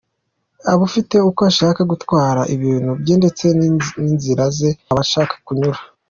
aba afite uko ashaka gutwara ibintu bye, ndetse n'inzira ze aba ashaka kunyura